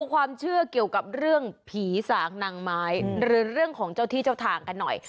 ความเชื่อเกี่ยวกับเรื่องผีสางนางไม้หรือเรื่องของเจ้าที่เจ้าทางกันหน่อย